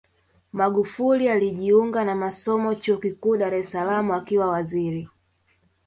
magufuli alijiunga na masomo chuo kikuu dar es salaam akiwa waziri